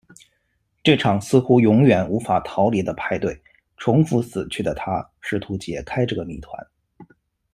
这场似乎永远无法逃离的派对，重复死去的她试图解开这个谜团。